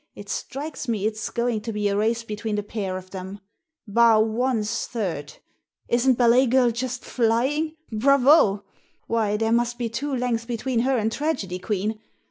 It strikes me it's going to be a race between the pair of them. Bar One's third. Isn't Ballet Girl just flying? Bravo! Why, there must be two lengths between her and Tragedy Queen